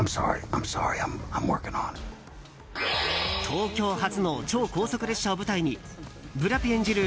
東京発の超高速列車を舞台にブラピ演じる